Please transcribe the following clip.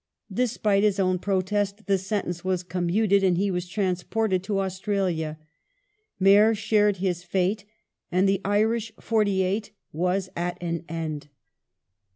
Despite his own protest the sentence was commuted, and he was transported to Austraha ; Meagher shared his fate, and the Irish " 48 " was at an end.